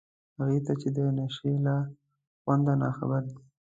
هغو ته چي د نشې له خونده ناخبر دي